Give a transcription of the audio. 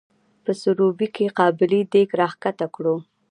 په سروبي کې قابلي دیګ راښکته کړو.